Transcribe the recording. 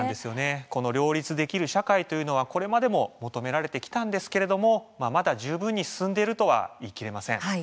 この両立できる社会はこれまでも求められてきたんですがまだ十分に進んでいるとは言い切れません。